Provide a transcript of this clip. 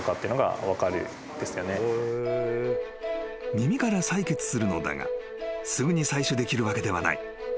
［耳から採血するのだがすぐに採取できるわけではない］